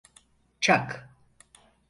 Çak!